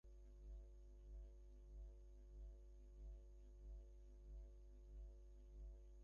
তার জায়গায় টাম্বলারের দায়িত্বে আসছেন প্রতিষ্ঠানটির প্রধান পরিচালন কর্মকর্তা জেফ ডিনোফারিও।